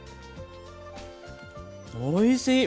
おいしい！